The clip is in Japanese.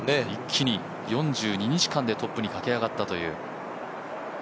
一気に４２日間でトップに駆け上がったという。